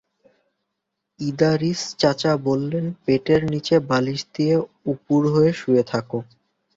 ইদারিস চাচা বললেন, পেটের নিচে বালিশ দিয়ে উপুড় হয়ে শুয়ে থােক।